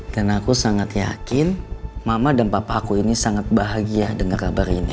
dan aku sangat yakin mama dan papa aku ini sangat bahagia denger kabar ini